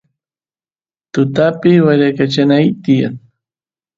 tutapi wyrakachanay tiyan